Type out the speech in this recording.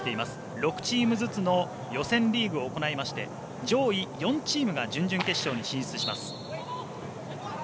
６チームずつの予選リーグを行いまして上位４チームが準々決勝に進出します。